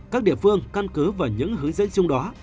các địa phương căn cứ vào những hướng dẫn chung đó